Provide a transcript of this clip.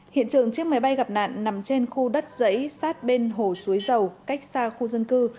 hiện trường chiếc máy bay gặp nạn nằm trên khu đất dãy sát bên hồ suối dầu cách xa khu dân cư